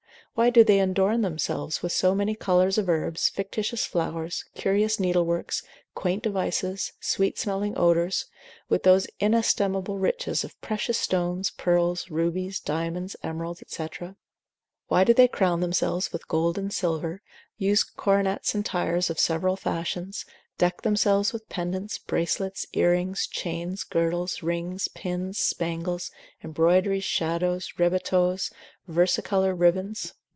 Why do they adorn themselves with so many colours of herbs, fictitious flowers, curious needleworks, quaint devices, sweet smelling odours, with those inestimable riches of precious stones, pearls, rubies, diamonds, emeralds, &c.? Why do they crown themselves with gold and silver, use coronets and tires of several fashions, deck themselves with pendants, bracelets, earrings, chains, girdles, rings, pins, spangles, embroideries, shadows, rebatoes, versicolour ribands?